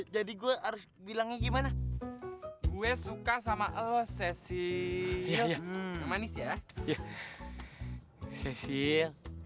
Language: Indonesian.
jadi gue harus bilangnya gimana gue suka sama oh sesi manis ya